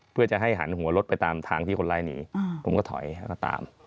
เพื่อจะให้หันหัวรถไปตามทางที่คนร้ายหนีผมก็ถอยแล้วก็ตาม